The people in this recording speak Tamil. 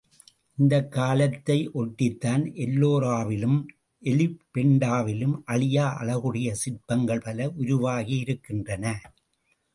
இந்தக் காலத்தை ஒட்டித்தான் எல்லோராவிலும், எலிபெண்டாவிலும் அழியா அழகுடைய சிற்பங்கள் பல உருவாகியிருக்கின்றன.